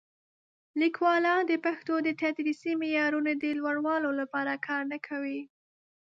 لیکوالان د پښتو د تدریسي معیارونو د لوړولو لپاره کار نه کوي.